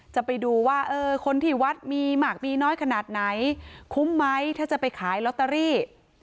จะไปดูว่าคนที่วัดมีมากมีน้อยขนาดไหนคุ้มไหมถ้าจะไปขายลอตเตอรี่